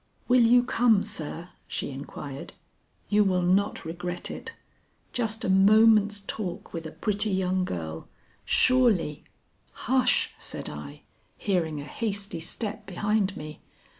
"Will you come, sir?" she inquired. "You will not regret it. Just a moment's talk with a pretty young girl surely " "Hush," said I, hearing a hasty step behind me.